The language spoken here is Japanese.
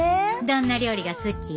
どんな料理が好き？